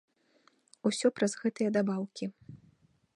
Усё праз гэтыя дабаўкі.